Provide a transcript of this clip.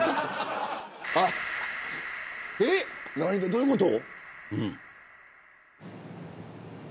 どういうこと。